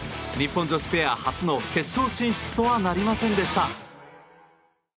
日本女子ペア初の決勝進出とはなりませんでした。